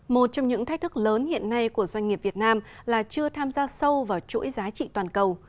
một trong những thách thức lớn hiện nay của doanh nghiệp việt nam là chưa tham gia sâu vào chuỗi giá trị toàn cầu